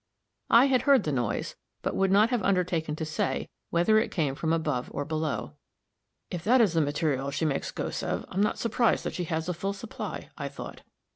I had heard the noise, but would not have undertaken to say whether it came from above or below. "If that is the material she makes ghosts of, I'm not surprised that she has a full supply," I thought.